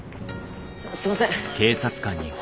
すいません。